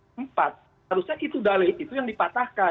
seharusnya itu dalit itu yang dipatahkan